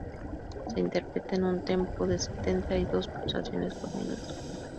Se interpreta en un "tempo" de setenta y dos pulsaciones por minuto.